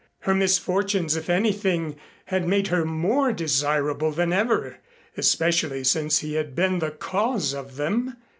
Her misfortunes if anything had made her more desirable than ever, especially since he had been the cause of them.